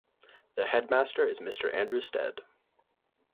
The headmaster is Mr Andrew Stead.